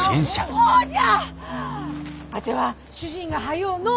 そうじゃ！